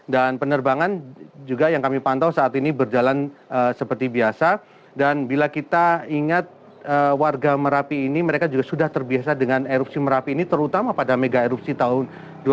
dan penerbangan juga yang kami pantau saat ini berjalan seperti biasa dan bila kita ingat warga merapi ini mereka juga sudah terbiasa dengan erupsi merapi ini terutama pada mega erupsi tahun dua ribu sepuluh